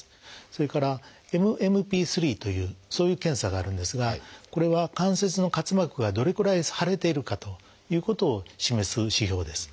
それから「ＭＭＰ−３」というそういう検査があるんですがこれは関節の滑膜がどれくらい腫れているかということを示す指標です。